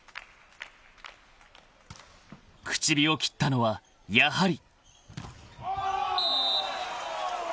［口火を切ったのはやはり］